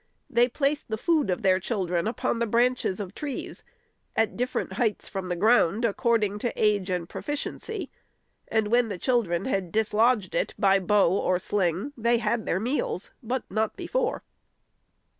They placed the food of their children upon the branches of the trees, at different heights from the ground, according to age and profi ciency, and when the children had dislodged it, by bow or sling, they had their meals, but not before.